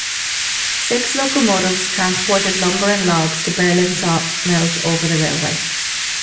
Six locomotives transported lumber and logs to Berlin sawmills over the railway.